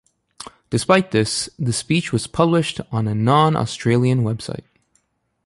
Despite this, the speech was published on a non-Australian website.